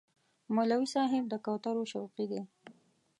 مولوي صاحب د کوترو شوقي دی.